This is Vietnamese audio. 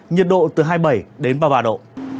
nhiệt độ từ hai mươi bảy đến ba mươi ba độ